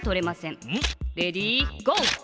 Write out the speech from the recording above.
レディーゴー！